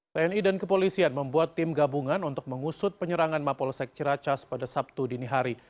tni dan kepolisian membuat tim gabungan untuk mengusut penyerangan mapolsek ciracas pada sabtu dini hari